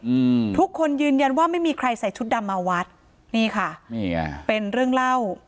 อืมทุกคนยืนยันว่าไม่มีใครใส่ชุดดำมาวัดนี่ค่ะนี่ไงเป็นเรื่องเล่า